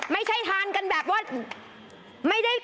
ไม่ใช่ทานกันแบบว่า